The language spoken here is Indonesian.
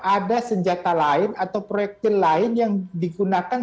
ada senjata lain atau proyektil lain yang digunakan